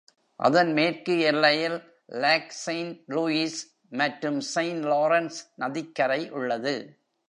அதன் மேற்கு எல்லையில் Lac Saint-Louis மற்றும் Saint Lawrence நதிக்கரை உள்ளது.